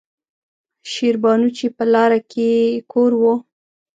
شېربانو چې پۀ لاره کښې يې کور وۀ